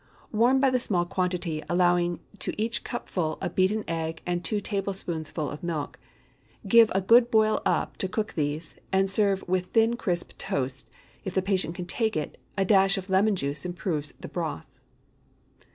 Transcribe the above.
Warm by the small quantity, allowing to each cupful a beaten egg and two tablespoonfuls of milk. Give a good boil up to cook these, and serve "with thin, crisp toast. If the patient can take it, a dash of lemon juice improves the broth.